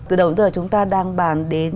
từ đầu đến giờ chúng ta đang bàn đến